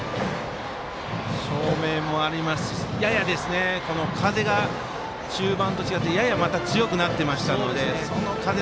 照明もありますし風が中盤と違ってやや、また強くなっていたので。